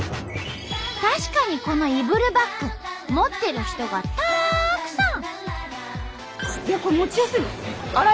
確かにこのイブルバッグ持ってる人がたくさん！